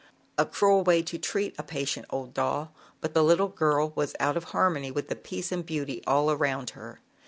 A cruel way to treat a patient old doll, but the little girl was out of harmony with the peace and beauty all around her.